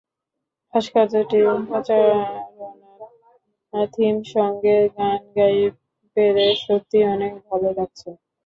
ভাস্কর্যটির প্রচারণার থিম সংয়ে গান গাইতে পেরে সত্যিই অনেক ভালো লাগছে।